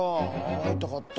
ああいたかった。